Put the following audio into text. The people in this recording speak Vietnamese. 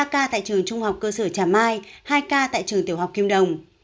ba ca tại trường trung học cơ sở trà mai hai ca tại trường tiểu học kim đồng